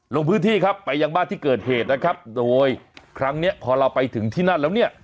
ลงพื้นที่ครับไปยังบ้านที่เกิดเหตุนะครับโดยครั้งเนี้ยพอเราไปถึงที่นั่นแล้วเนี่ย